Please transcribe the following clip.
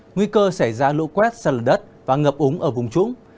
nguy cơ xảy ra lũ quét sần lửa đất và ngập úng ở vùng trúng